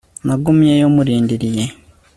nagumyeyo murindiriye